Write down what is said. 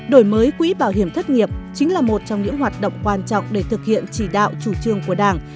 đổi mới quỹ bảo hiểm thất nghiệp chính là một trong những hoạt động quan trọng để thực hiện chỉ đạo chủ trương của đảng